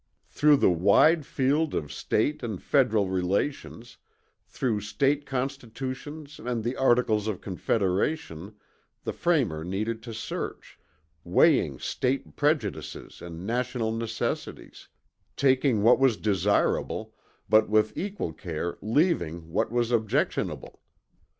Through the wide field of State and Federal relations, through State constitutions and the Articles of Confederation the framer needed to search, weighing State prejudices and national necessities, taking what was desirable, but with equal care leaving what was objectionable.